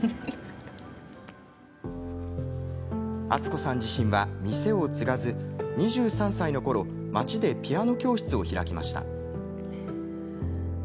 敦子さん自身は店を継がず２３歳のころ町でピアノ教室を開きました。